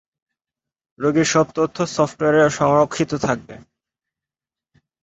রোগীর সব তথ্য সফটওয়্যারে সংরক্ষিত থাকবে।